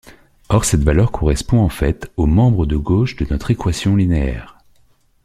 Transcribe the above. Or cette valeur correspond en fait au membre de gauche de notre équation linéaire.